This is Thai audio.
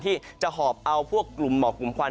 ที่จะหอบเอาพวกกลุ่มหมอกกลุ่มควัน